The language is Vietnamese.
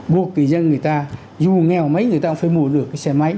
buộc kỳ dân người ta dù nghèo mấy người ta cũng phải mua được xe máy